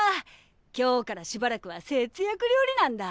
今日からしばらくは節約料理なんだ。